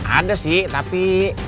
ada sih tapi